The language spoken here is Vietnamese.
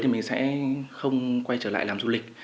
thì mình sẽ không quay trở lại làm du lịch